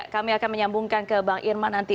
kami akan menyambungkan ke bang irman nanti